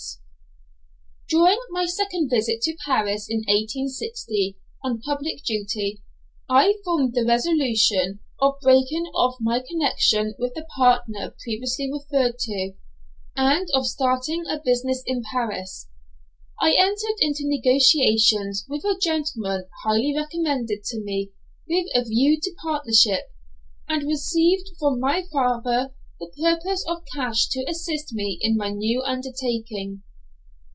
See Appendix. During my second visit to Paris, in 1860, on public duty, I formed the resolution of breaking off my connection with the partner previously referred to, and of starting a business in Paris. I entered into negotiations with a gentleman highly recommended to me with a view to partnership, and received from my father the promise of cash to assist me in my new undertaking.